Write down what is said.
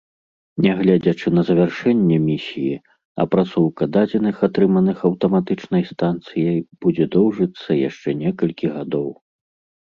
Нягледзячы на завяршэнне місіі, апрацоўка дадзеных, атрыманых аўтаматычнай станцыяй, будзе доўжыцца яшчэ некалькі гадоў.